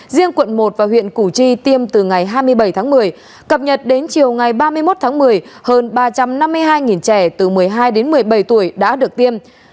riêng quận một và huyện củ chi tiêm từ ngày hai mươi bảy tháng một mươi cập nhật đến chiều ngày ba mươi một tháng một mươi hơn ba trăm năm mươi hai trẻ từ một mươi hai đến một mươi bảy tuổi đã được tiêm